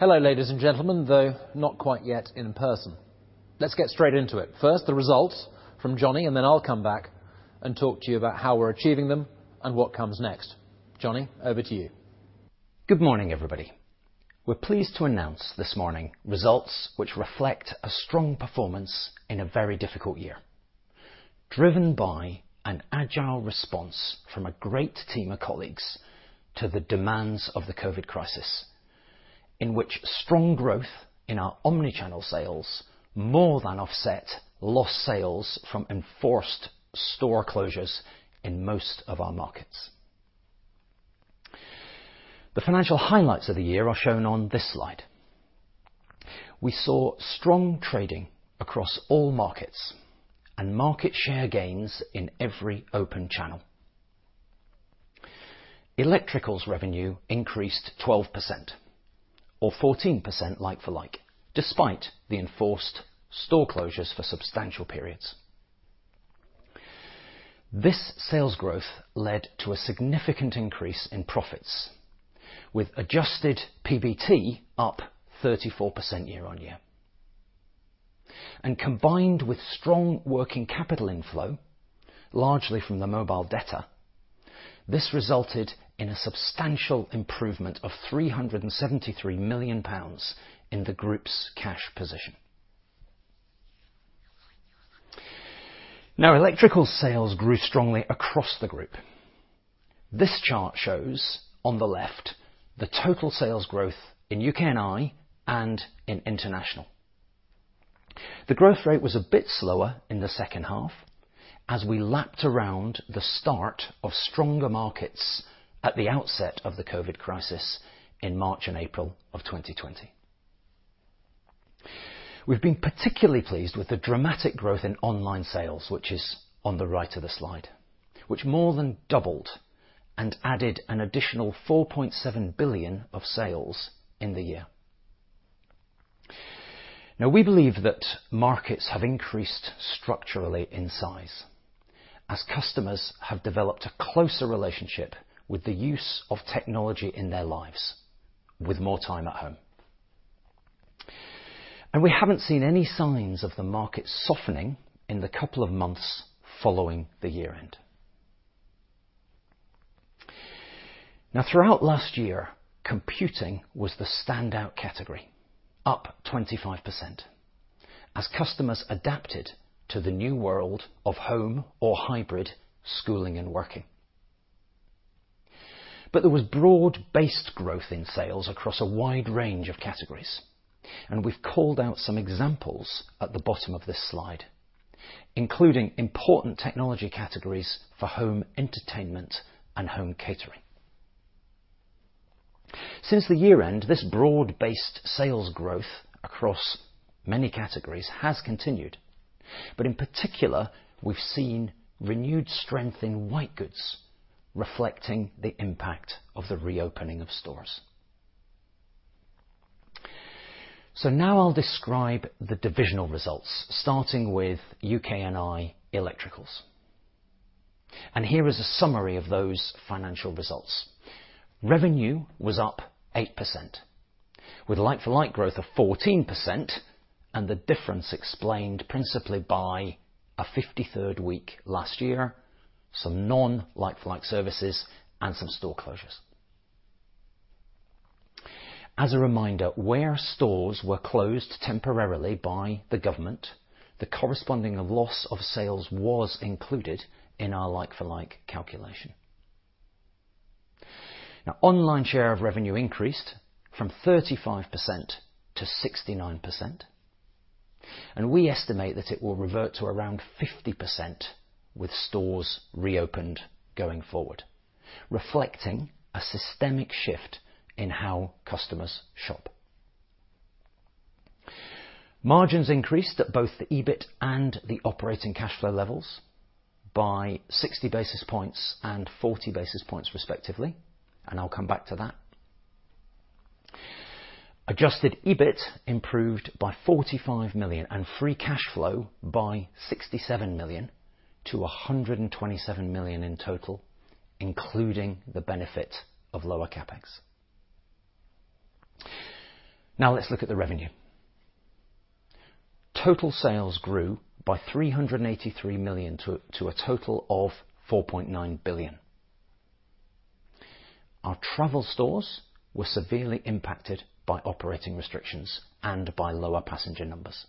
Hello, ladies and gentlemen, though not quite yet in person. Let's get straight into it. First, the results from Jonny, and then I'll come back and talk to you about how we're achieving them and what comes next. Jonny, over to you. Good morning, everybody. We're pleased to announce this morning results which reflect a strong performance in a very difficult year, driven by an agile response from a great team of colleagues to the demands of the COVID crisis, in which strong growth in our omni-channel sales more than offset lost sales from enforced store closures in most of our markets. The financial highlights of the year are shown on this slide. We saw strong trading across all markets and market share gains in every open channel. Electricals revenue increased 12% or 14% like-for-like, despite the enforced store closures for substantial periods. This sales growth led to a significant increase in profits, with adjusted PBT up 34% year-on-year. Combined with strong working capital inflow, largely from the mobile debtor, this resulted in a substantial improvement of 373 million pounds in the group's cash position. Electrical sales grew strongly across the group. This chart shows on the left the total sales growth in UK&I and in international. The growth rate was a bit slower in the second half as we lapped around the start of stronger markets at the outset of the COVID crisis in March and April of 2020. We've been particularly pleased with the dramatic growth in online sales, which is on the right of the slide, which more than doubled and added an additional 4.7 billion of sales in the year. We believe that markets have increased structurally in size as customers have developed a closer relationship with the use of technology in their lives with more time at home. We haven't seen any signs of the market softening in the couple of months following the year-end. Throughout last year, computing was the standout category, up 25%, as customers adapted to the new world of home or hybrid schooling and working. There was broad-based growth in sales across a wide range of categories, and we've called out some examples at the bottom of this slide, including important technology categories for home entertainment and home catering. Since the year-end, this broad-based sales growth across many categories has continued, but in particular, we've seen renewed strength in white goods, reflecting the impact of the reopening of stores. Now I'll describe the divisional results, starting with UK&I Electricals. Here is a summary of those financial results. Revenue was up 8%, with like-for-like growth of 14% and the difference explained principally by a 53rd week last year, some non-like-for-like services, and some store closures. As a reminder, where stores were closed temporarily by the government, the corresponding loss of sales was included in our like-for-like calculation. Online share of revenue increased from 35% to 69%, and we estimate that it will revert to around 50% with stores reopened going forward, reflecting a systemic shift in how customers shop. Margins increased at both the EBIT and the operating cash flow levels by 60 basis points and 40 basis points, respectively, and I'll come back to that. Adjusted EBIT improved by 45 million and free cash flow by 67 million to 127 million in total, including the benefit of lower CapEx. Let's look at the revenue. Total sales grew by 383 million to a total of 4.9 billion. Our travel stores were severely impacted by operating restrictions and by lower passenger numbers.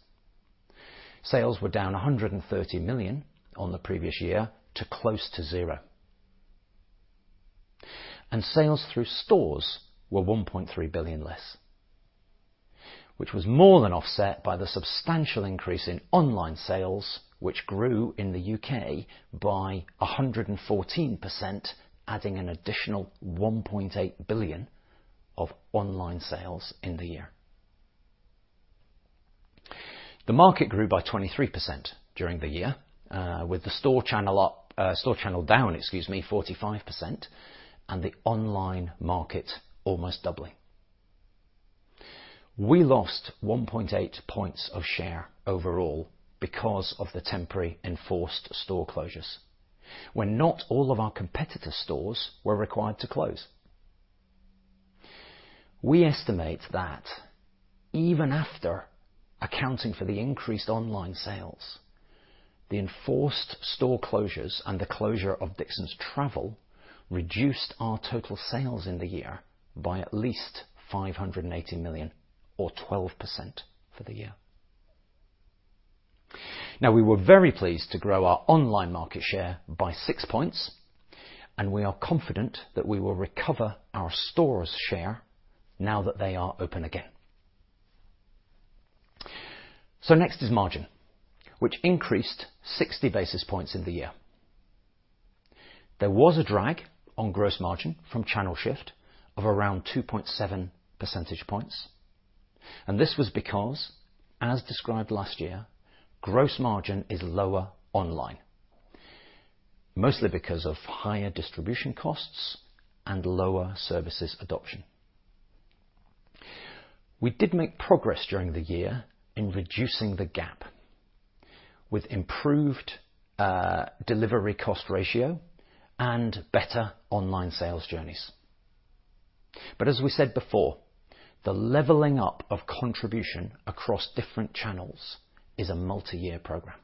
Sales were down 130 million on the previous year to close to zero. Sales through stores were 1.3 billion less, which was more than offset by the substantial increase in online sales, which grew in the U.K. by 114%, adding an additional 1.8 billion of online sales in the year. The market grew by 23% during the year, with the store channel down 45% and the online market almost doubling. We lost 1.8 points of share overall because of the temporary enforced store closures, when not all of our competitor stores were required to close. We estimate that even after accounting for the increased online sales, the enforced store closures and the closure of Dixons Travel reduced our total sales in the year by at least 580 million or 12% for the year. Now, we were very pleased to grow our online market share by 6 points and we are confident that we will recover our stores share now that they are open again. Next is margin, which increased 60 basis points in the year. There was a drag on gross margin from channel shift of around 2.7 percentage points and this was because, as described last year, gross margin is lower online, mostly because of higher distribution costs and lower services adoption. We did make progress during the year in reducing the gap with improved delivery cost ratio and better online sales journeys. As we said before, the leveling up of contribution across different channels is a multi-year program.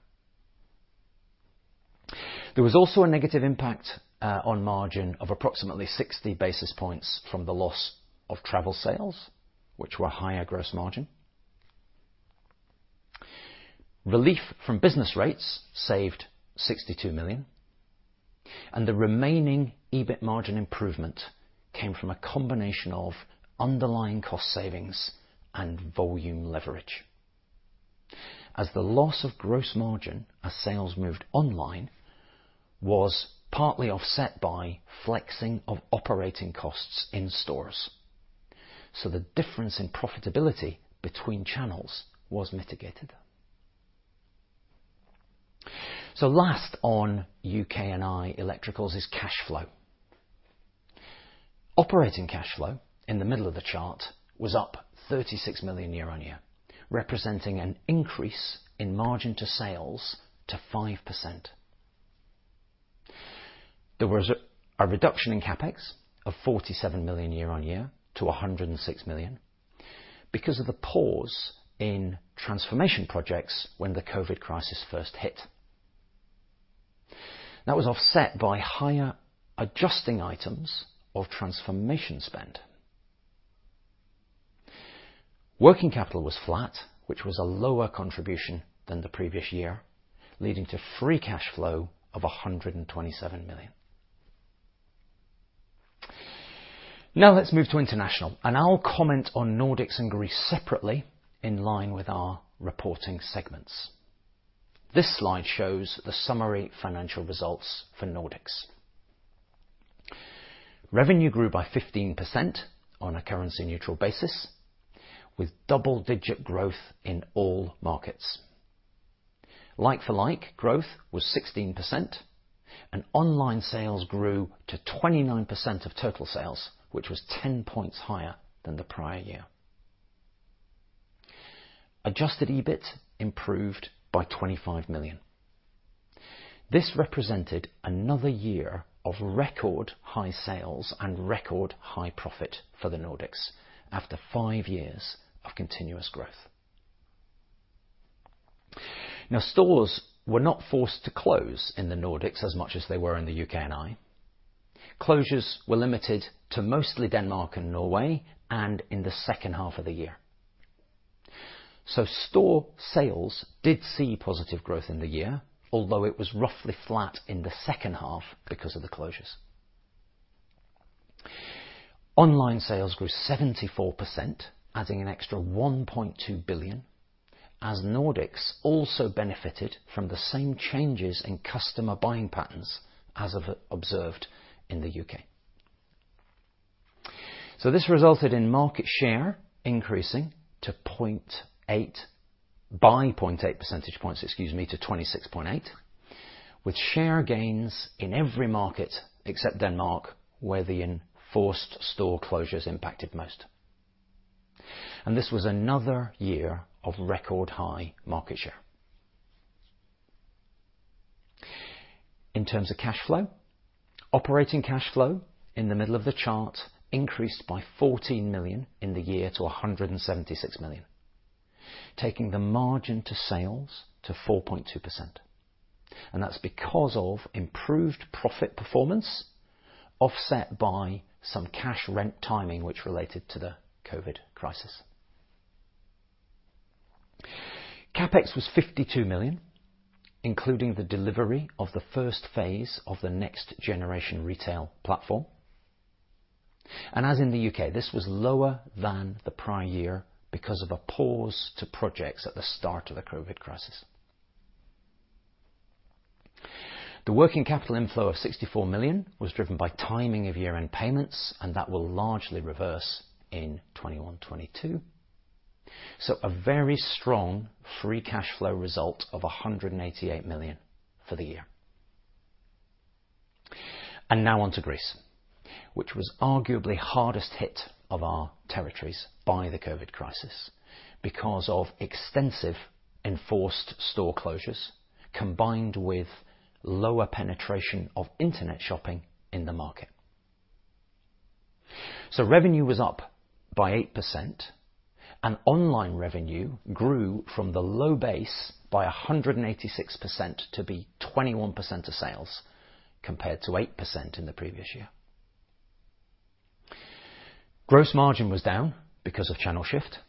There was also a negative impact on margin of approximately 60 basis points from the loss of travel sales, which were higher gross margin. Relief from business rates saved 62 million and the remaining EBIT margin improvement came from a combination of underlying cost savings and volume leverage. As the loss of gross margin as sales moved online was partly offset by flexing of operating costs in stores. The difference in profitability between channels was mitigated. Last on UK&I Electricals is cash flow. Operating cash flow in the middle of the chart was up 36 million year-on-year, representing an increase in margin to sales to 5%. There was a reduction in CapEx of 47 million year-on-year to 106 million because of the pause in transformation projects when the COVID crisis first hit. That was offset by higher adjusting items of transformation spend. Working capital was flat, which was a lower contribution than the previous year, leading to free cash flow of 127 million. Let's move to international and I'll comment on Nordics and Greece separately in line with our reporting segments. This slide shows the summary financial results for Nordics. Revenue grew by 15% on a currency neutral basis with double-digit growth in all markets. Like-for-like growth was 16% and online sales grew to 29% of total sales, which was 10 points higher than the prior year. Adjusted EBIT improved by 25 million. This represented another year of record high sales and record high profit for the Nordics after five years of continuous growth. Stores were not forced to close in the Nordics as much as they were in the UK&I. Closures were limited to mostly Denmark and Norway and in the second half of the year. Store sales did see positive growth in the year, although it was roughly flat in the second half because of the closures. Online sales grew 74%, adding an extra 1.2 billion as Nordics also benefited from the same changes in customer buying patterns as observed in the U.K. This resulted in market share increasing by 0.8 percentage points, excuse me, to 26.8% with share gains in every market except Denmark where the enforced store closures impacted most. This was another year of record high market share. In terms of cash flow, operating cash flow in the middle of the chart increased by 14 million in the year to 176 million, taking the margin to sales to 4.2%. That's because of improved profit performance offset by some cash rent timing which related to the COVID crisis. CapEx was 52 million including the delivery of the first phase of the next generation retail platform. As in the U.K., this was lower than the prior year because of a pause to projects at the start of the COVID crisis. The working capital inflow of 64 million was driven by timing of year-end payments and that will largely reverse in 2021/2022. A very strong free cash flow result of 188 million for the year. Now on to Greece, which was arguably hardest hit of our territories by the COVID crisis because of extensive enforced store closures combined with lower penetration of internet shopping in the market. Revenue was up by 8%, and online revenue grew from the low base by 186% to be 21% of sales, compared to 8% in the previous year. Gross margin was down because of channel shift,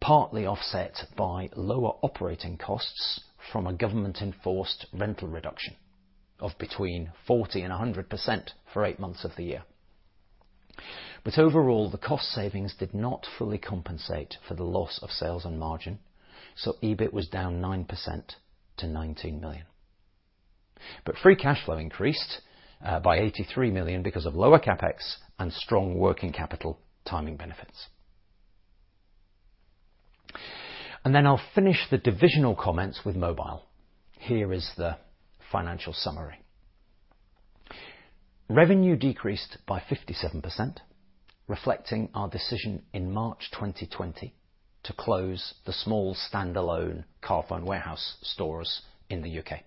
partly offset by lower operating costs from a government enforced rental reduction of between 40% and 100% for eight months of the year. Overall, the cost savings did not fully compensate for the loss of sales and margin, EBIT was down 9% to 19 million. Free cash flow increased by 83 million because of lower CapEx and strong working capital timing benefits. I'll finish the divisional comments with mobile. Here is the financial summary. Revenue decreased by 57%, reflecting our decision in March 2020 to close the small standalone Carphone Warehouse stores in the U.K.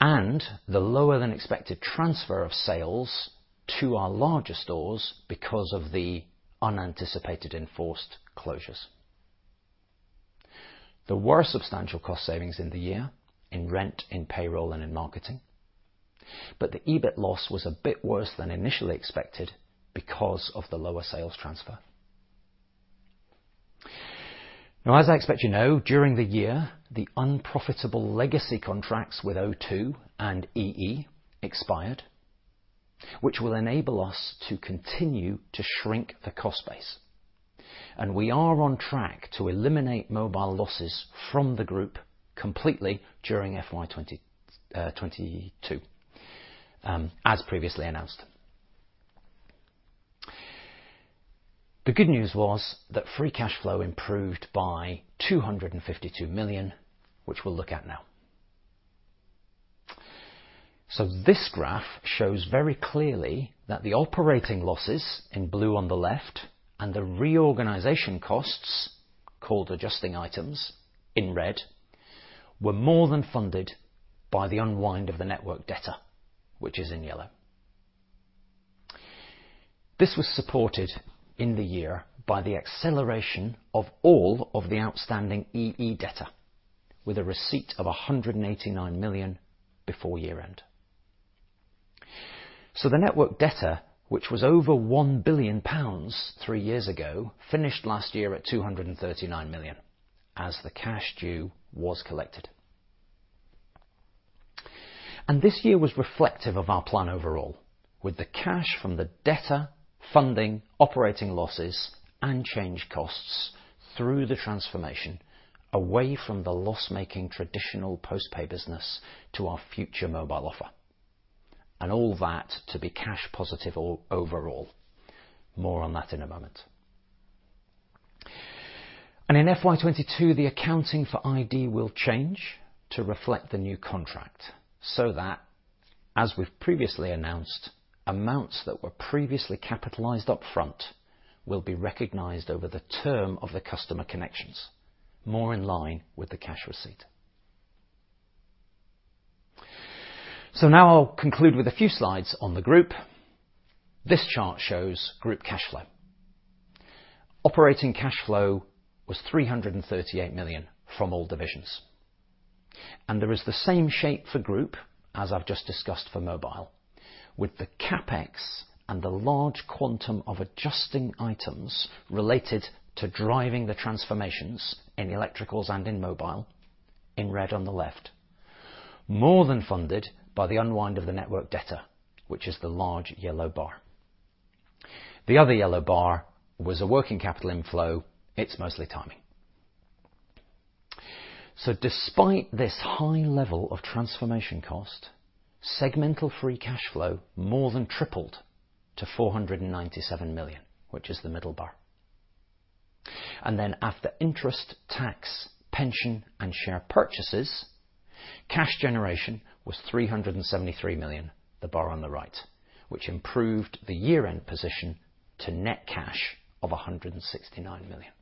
The lower than expected transfer of sales to our larger stores because of the unanticipated enforced closures. There were substantial cost savings in the year in rent, in payroll, and in marketing. The EBIT loss was a bit worse than initially expected because of the lower sales transfer. As I expect you know, during the year, the unprofitable legacy contracts with O2 and EE expired, which will enable us to continue to shrink the cost base. We are on track to eliminate mobile losses from the group completely during FY2022, as previously announced. The good news was that free cash flow improved by 252 million, which we'll look at now. This graph shows very clearly that the operating losses in blue on the left and the reorganization costs, called adjusting items, in red, were more than funded by the unwind of the network debtor, which is in yellow. This was supported in the year by the acceleration of all of the outstanding EE debtor with a receipt of 189 million before year-end. The network debtor, which was over 1 billion pounds three years ago, finished last year at 239 million as the cash due was collected. This year was reflective of our plan overall, with the cash from the debtor funding operating losses and change costs through the transformation away from the loss-making traditional post-pay business to our future mobile offer, all that to be cash positive overall. More on that in a moment. In FY2022, the accounting for iD will change to reflect the new contract, that, as we've previously announced, amounts that were previously capitalized upfront will be recognized over the term of the customer connections, more in line with the cash receipt. Now I'll conclude with a few slides on the group. This chart shows group cash flow. Operating cash flow was 338 million from all divisions. There is the same shape for group as I've just discussed for mobile, with the CapEx and the large quantum of adjusting items related to driving the transformations in electricals and in mobile in red on the left, more than funded by the unwind of the network debtor, which is the large yellow bar. The other yellow bar was a working capital inflow. It's mostly timing. Despite this high level of transformation cost, segmental free cash flow more than tripled to 497 million, which is the middle bar. After interest, tax, pension, and share purchases, cash generation was 373 million, the bar on the right, which improved the year-end position to net cash of 169 million.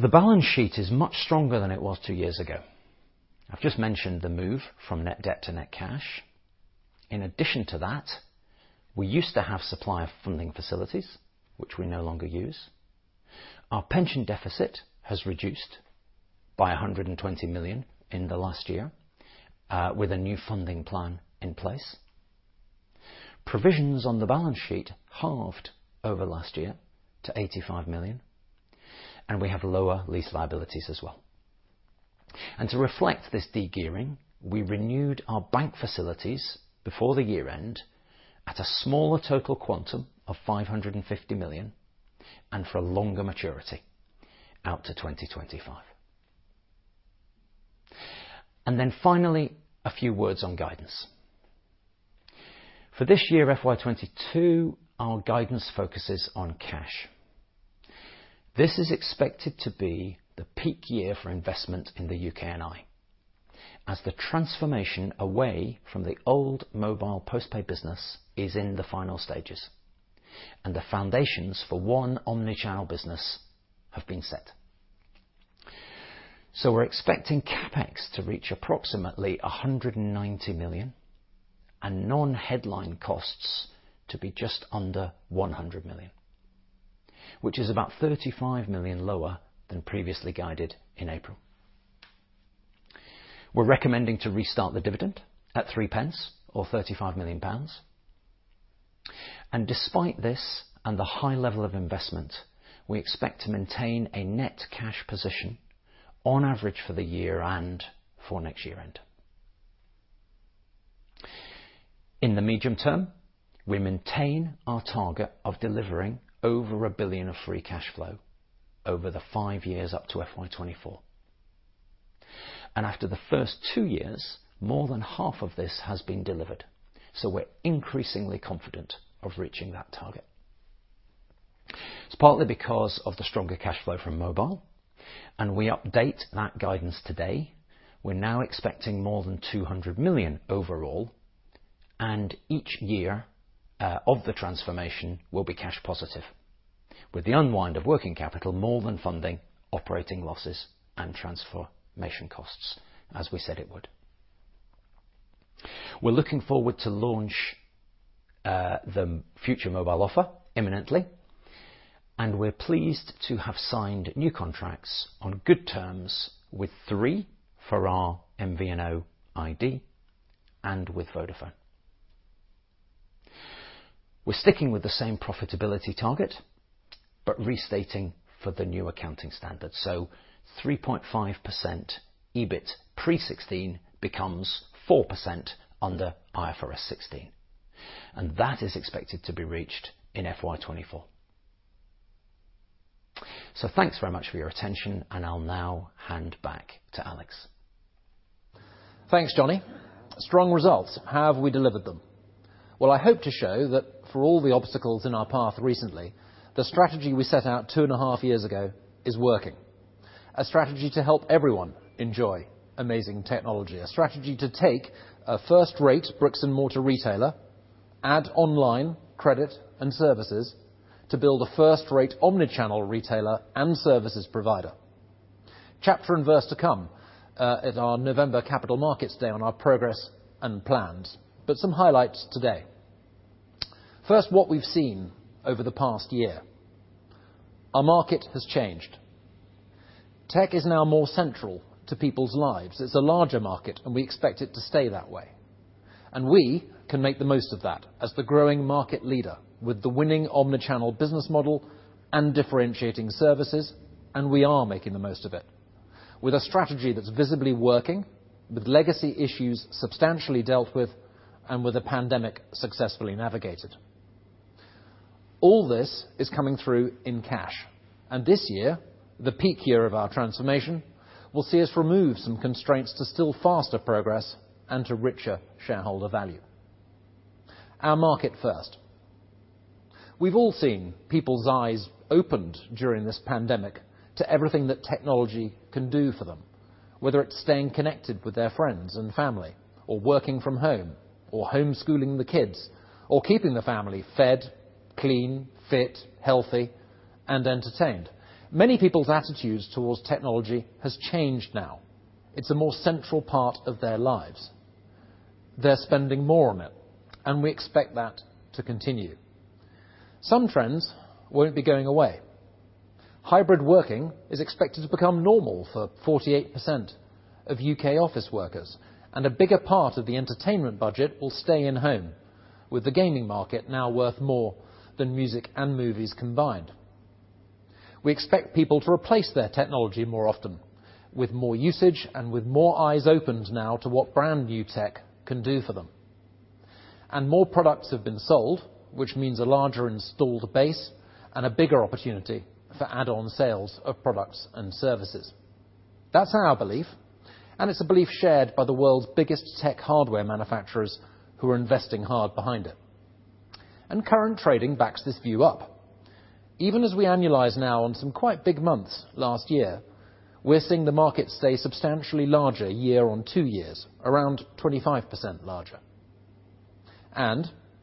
The balance sheet is much stronger than it was two years ago. I've just mentioned the move from net debt to net cash. In addition to that, we used to have supplier funding facilities, which we no longer use. Our pension deficit has reduced by 120 million in the last year, with a new funding plan in place. Provisions on the balance sheet halved over last year to 85 million. We have lower lease liabilities as well. To reflect this de-gearing, we renewed our bank facilities before the year-end at a smaller total quantum of 550 million and for a longer maturity out to 2025. Finally, a few words on guidance. For this year, FY2022, our guidance focuses on cash. This is expected to be the peak year for investment in the UK&I, as the transformation away from the old mobile post-pay business is in the final stages. The foundations for one omni-channel business have been set. We're expecting CapEx to reach approximately 190 million, and non-headline costs to be just under 100 million, which is about 35 million lower than previously guided in April. We're recommending to restart the dividend at 0.03 or 35 million pounds. Despite this and the high level of investment, we expect to maintain a net cash position on average for the year and for next year end. In the medium term, we maintain our target of delivering over 1 billion of free cash flow over the five years up to FY2024. After the first two years, more than half of this has been delivered, so we're increasingly confident of reaching that target. It's partly because of the stronger cash flow from mobile, and we update that guidance today. We're now expecting more than 200 million overall, and each year of the transformation will be cash positive. With the unwind of working capital more than funding operating losses and transformation costs, as we said it would. We're looking forward to launch the future mobile offer imminently, and we're pleased to have signed new contracts on good terms with Three for our MVNO iD and with Vodafone. We're sticking with the same profitability target. Restating for the new accounting standard. 3.5% EBIT pre 16 becomes 4% under IFRS 16. That is expected to be reached in FY2024. Thanks very much for your attention, and I'll now hand back to Alex. Thanks, Jonny. Strong results. How have we delivered them? Well, I hope to show that for all the obstacles in our path recently, the strategy we set out two and a half years ago is working. A strategy to help everyone enjoy amazing technology, a strategy to take a first-rate bricks and mortar retailer, add online credit and services to build a first-rate omni-channel retailer and services provider. Chapter and verse to come at our November capital markets day on our progress and plans. Some highlights today. First, what we've seen over the past year. Our market has changed. Tech is now more central to people's lives. It's a larger market, and we expect it to stay that way. We can make the most of that as the growing market leader with the winning omni-channel business model and differentiating services. We are making the most of it. With a strategy that's visibly working, with legacy issues substantially dealt with the pandemic successfully navigated. All this is coming through in cash. This year, the peak year of our transformation, will see us remove some constraints to still faster progress and to richer shareholder value. Our market first. We've all seen people's eyes opened during this pandemic to everything that technology can do for them, whether it's staying connected with their friends and family or working from home or homeschooling the kids or keeping the family fed, clean, fit, healthy, and entertained. Many people's attitudes towards technology has changed now. It's a more central part of their lives. They're spending more on it, and we expect that to continue. Some trends won't be going away. Hybrid working is expected to become normal for 48% of U.K. office workers, a bigger part of the entertainment budget will stay in home, with the gaming market now worth more than music and movies combined. We expect people to replace their technology more often, with more usage and with more eyes opened now to what brand new tech can do for them. More products have been sold, which means a larger installed base and a bigger opportunity for add-on sales of products and services. That's our belief, and it's a belief shared by the world's biggest tech hardware manufacturers who are investing hard behind it. Current trading backs this view up. Even as we annualize now on some quite big months last year, we're seeing the market stay substantially larger year on two years, around 25% larger.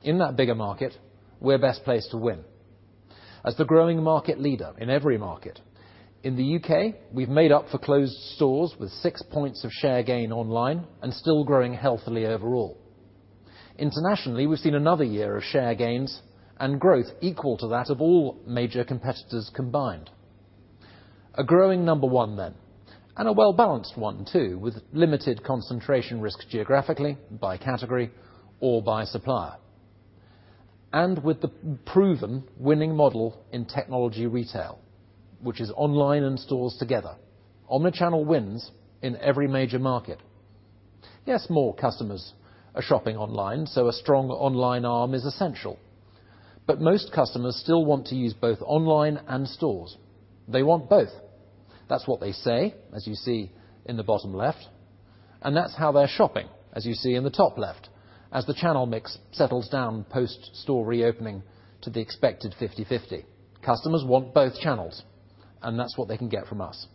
In that bigger market, we're best placed to win as the growing market leader in every market. In the U.K., we've made up for closed stores with 6 points of share gain online and still growing healthily overall. Internationally, we've seen another year of share gains and growth equal to that of all major competitors combined. A growing number one then, and a well-balanced one too, with limited concentration risk geographically by category or by supplier. With the proven winning model in technology retail, which is online and stores together. Omnichannel wins in every major market. More customers are shopping online, so a strong online arm is essential. Most customers still want to use both online and stores. They want both. That's what they say, as you see in the bottom left. That's how they're shopping, as you see in the top left, as the channel mix settles down post-store reopening to the expected 50/50. Customers want both channels. That's what they can get from us.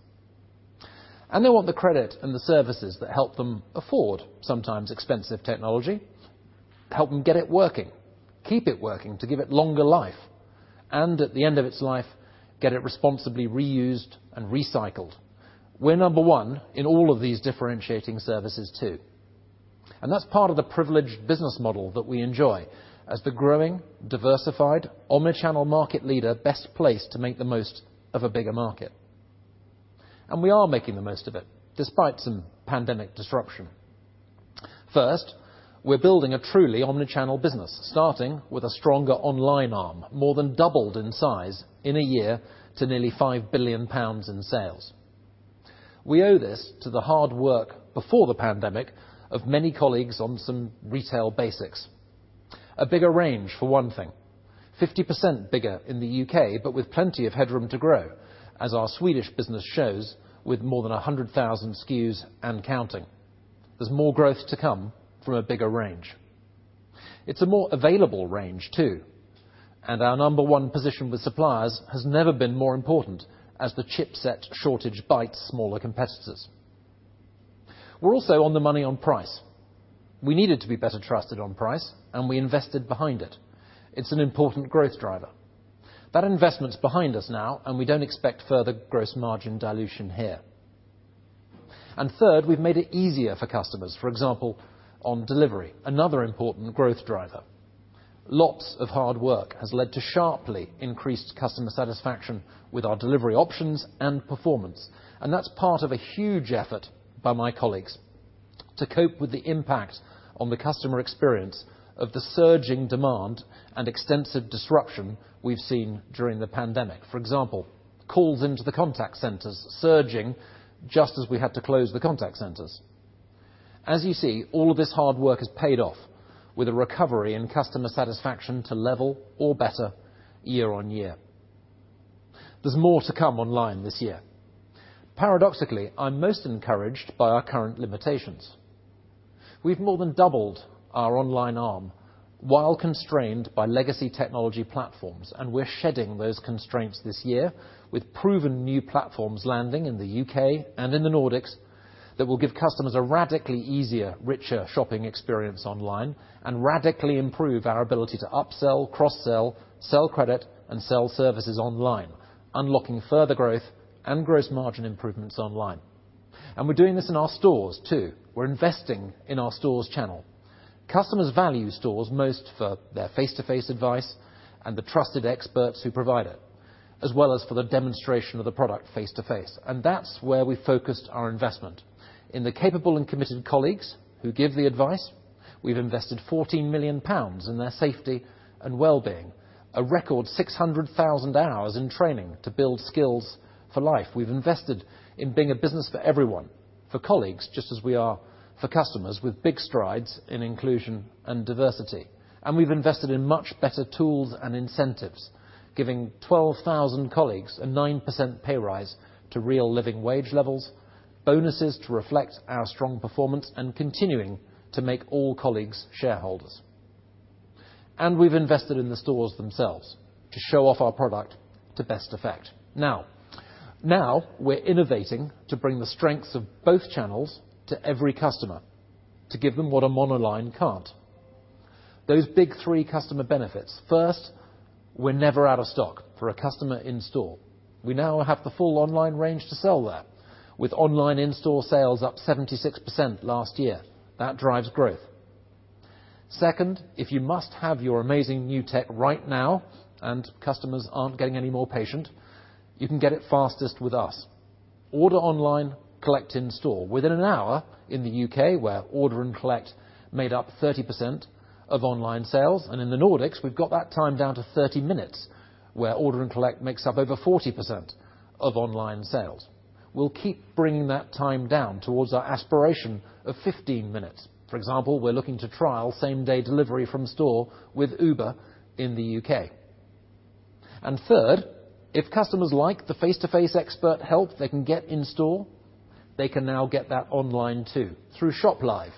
They want the credit and the services that help them afford sometimes expensive technology, help them get it working, keep it working to give it longer life, and at the end of its life, get it responsibly reused and recycled. We're number one in all of these differentiating services too. That's part of the privileged business model that we enjoy as the growing, diversified, omni-channel market leader best placed to make the most of a bigger market. We are making the most of it despite some pandemic disruption. First, we're building a truly omni-channel business, starting with a stronger online arm, more than doubled in size in a year to nearly 5 billion pounds in sales. We owe this to the hard work before the pandemic of many colleagues on some retail basics. A bigger range, for one thing, 50% bigger in the U.K., but with plenty of headroom to grow, as our Swedish business shows with more than 100,000 SKUs and counting. There's more growth to come from a bigger range. It's a more available range, too, and our number one position with suppliers has never been more important as the chipset shortage bites smaller competitors. We're also on the money on price. We needed to be better trusted on price, and we invested behind it. It's an important growth driver. That investment's behind us now, and we don't expect further gross margin dilution here. Third, we've made it easier for customers, for example, on delivery, another important growth driver. Lots of hard work has led to sharply increased customer satisfaction with our delivery options and performance, and that's part of a huge effort by my colleagues to cope with the impact on the customer experience of the surging demand and extensive disruption we've seen during the pandemic. For example, calls into the contact centers surging just as we had to close the contact centers. As you see, all of this hard work has paid off with a recovery in customer satisfaction to level or better year-on-year. There's more to come online this year. Paradoxically, I'm most encouraged by our current limitations. We've more than doubled our online arm while constrained by legacy technology platforms. We're shedding those constraints this year with proven new platforms landing in the U.K. and in the Nordics that will give customers a radically easier, richer shopping experience online and radically improve our ability to upsell, cross-sell, sell credit, and sell services online, unlocking further growth and gross margin improvements online. We're doing this in our stores, too. We're investing in our stores channel. Customers value stores most for their face-to-face advice and the trusted experts who provide it, as well as for the demonstration of the product face to face. That's where we focused our investment. In the capable and committed colleagues who give the advice, we've invested 14 million pounds in their safety and wellbeing, a record 600,000 hours in training to build skills for life. We've invested in being a business for everyone, for colleagues, just as we are for customers with big strides in inclusion and diversity. We've invested in much better tools and incentives, giving 12,000 colleagues a 9% pay rise to real living wage levels, bonuses to reflect our strong performance, and continuing to make all colleagues shareholders. We've invested in the stores themselves to show off our product to best effect. Now, we're innovating to bring the strengths of both channels to every customer to give them what a monoline can't. Those big three customer benefits. First, we're never out of stock for a customer in store. We now have the full online range to sell that with online in-store sales up 76% last year. That drives growth. Second, if you must have your amazing new tech right now and customers aren't getting any more patient, you can get it fastest with us. Order online, collect in store within an hour in the U.K., where order and collect made up 30% of online sales. In the Nordics, we've got that time down to 30 minutes, where order and collect makes up over 40% of online sales. We'll keep bringing that time down towards our aspiration of 15 minutes. For example, we're looking to trial same-day delivery from store with Uber in the U.K. Third, if customers like the face-to-face expert help they can get in-store, they can now get that online, too, through Shop Live,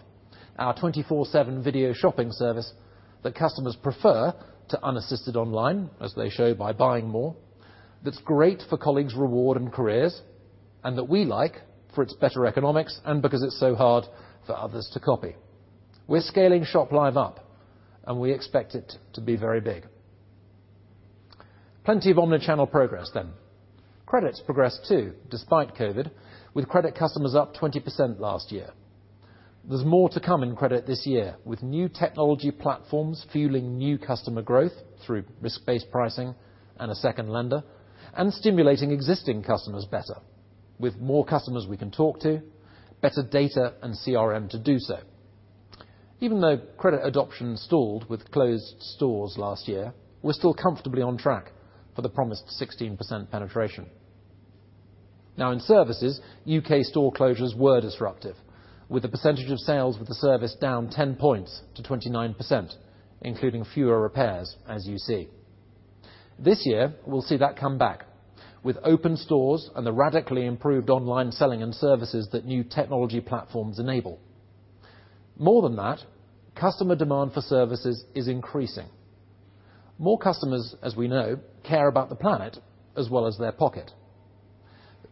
our 24/7 video shopping service that customers prefer to unassisted online, as they show by buying more. That's great for colleagues' reward and careers, that we like for its better economics and because it's so hard for others to copy. We're scaling Shop Live up, we expect it to be very big. Plenty of omni-channel progress. Credit's progressed, too, despite COVID, with credit customers up 20% last year. There's more to come in credit this year with new technology platforms fueling new customer growth through risk-based pricing and a second lender, and stimulating existing customers better with more customers we can talk to, better data, and CRM to do so. Even though credit adoption stalled with closed stores last year, we're still comfortably on track for the promised 16% penetration. In services, U.K. store closures were disruptive, with the percentage of sales with the service down 10 points to 29%, including fewer repairs, as you see. This year, we'll see that come back with open stores and the radically improved online selling and services that new technology platforms enable. More than that, customer demand for services is increasing. More customers, as we know, care about the planet as well as their pocket.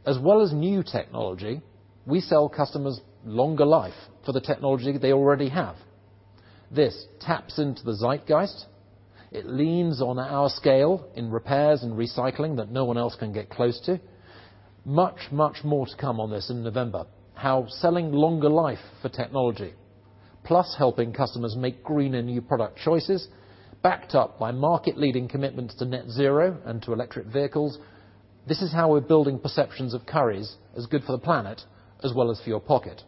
As well as new technology, we sell customers longer life for the technology they already have. This taps into the zeitgeist. It leans on our scale in repairs and recycling that no one else can get close to. Much more to come on this in November. How selling longer life for technology, plus helping customers make greener new product choices, backed up by market-leading commitments to net zero and to electric vehicles. This is how we're building perceptions of Currys as good for the planet as well as for your pocket,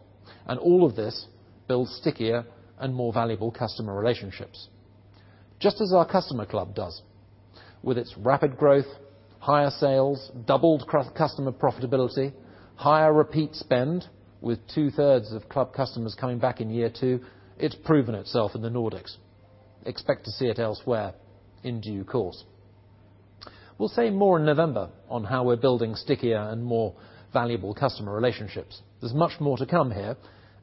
and all of this builds stickier and more valuable customer relationships. Just as our customer club does, with its rapid growth, higher sales, doubled customer profitability, higher repeat spend, with 2/3 of club customers coming back in year two, it's proven itself in the Nordics. Expect to see it elsewhere in due course. We'll say more in November on how we're building stickier and more valuable customer relationships. There's much more to come here,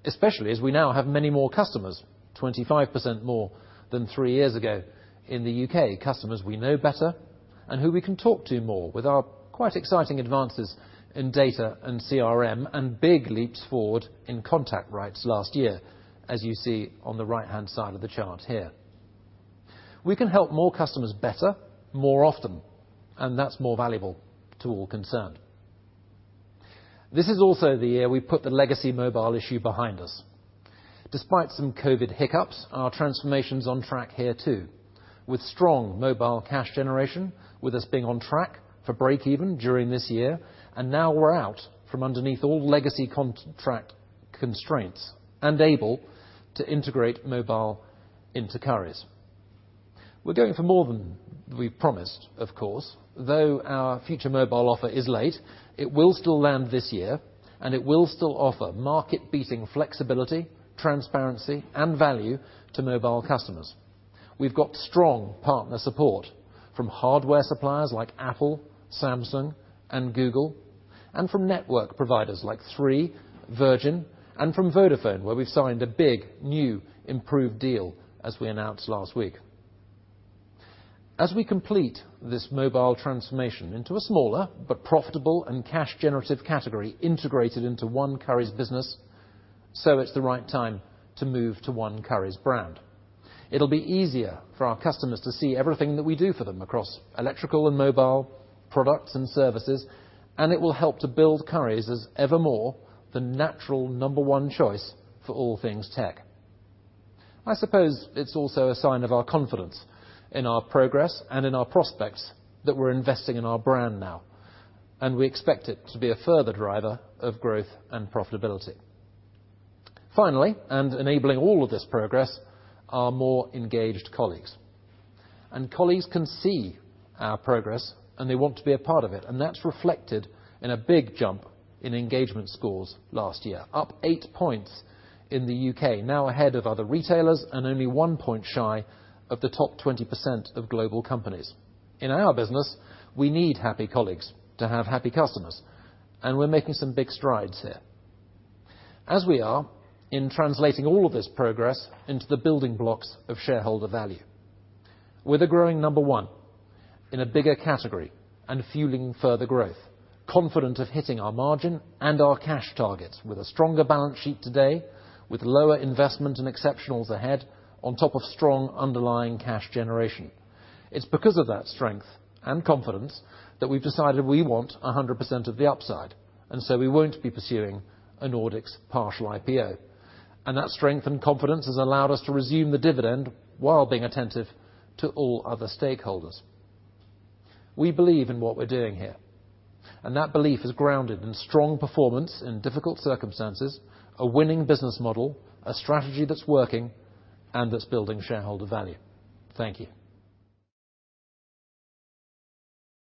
especially as we now have many more customers, 25% more than three years ago in the U.K. Customers we know better and who we can talk to more with our quite exciting advances in data and CRM and big leaps forward in contact rates last year, as you see on the right-hand side of the chart here. We can help more customers better, more often, and that's more valuable to all concerned. This is also the year we put the legacy mobile issue behind us. Despite some COVID hiccups, our transformation's on track here too, with strong mobile cash generation, with us being on track for breakeven during this year, and now we're out from underneath all legacy contract constraints and able to integrate mobile into Currys. Though our future mobile offer is late, it will still land this year, and it will still offer market-beating flexibility, transparency, and value to mobile customers. We've got strong partner support from hardware suppliers like Apple, Samsung, and Google, and from network providers like Three, Virgin, and from Vodafone, where we signed a big, new, improved deal, as we announced last week. As we complete this mobile transformation into a smaller but profitable and cash-generative category integrated into one Currys business, so it's the right time to move to one Currys brand. It'll be easier for our customers to see everything that we do for them across electrical and mobile products and services. It will help to build Currys as ever more the natural number one choice for all things tech. I suppose it's also a sign of our confidence in our progress and in our prospects that we're investing in our brand now. We expect it to be a further driver of growth and profitability. Finally, enabling all of this progress, are more engaged colleagues. Colleagues can see our progress. They want to be a part of it. That's reflected in a big jump in engagement scores last year, up 8 points in the U.K., now ahead of other retailers and only 1 point shy of the top 20% of global companies. In our business, we need happy colleagues to have happy customers, and we're making some big strides here. As we are in translating all of this progress into the building blocks of shareholder value. We're the growing number one in a bigger category and fueling further growth, confident of hitting our margin and our cash targets with a stronger balance sheet today, with lower investment and exceptionals ahead on top of strong underlying cash generation. It's because of that strength and confidence that we've decided we want 100% of the upside, and so we won't be pursuing a Nordics partial IPO. That strength and confidence has allowed us to resume the dividend while being attentive to all other stakeholders. We believe in what we're doing here, and that belief is grounded in strong performance in difficult circumstances, a winning business model, a strategy that's working, and that's building shareholder value. Thank you.